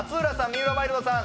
三浦マイルドさん